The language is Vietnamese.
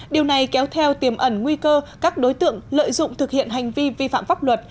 điều này kéo theo tiềm ẩn nguy cơ các đối tượng lợi dụng thực hiện hành vi vi phạm pháp luật